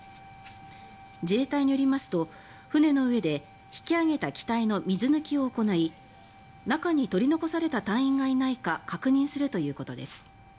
自衛隊によりますと船の上で引き揚げた機体の水抜きを行い中に取り残された隊員がいないか確認するということです。